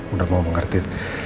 udah mau mengerti